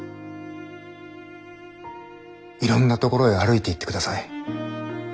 いろんなところへ歩いていってください。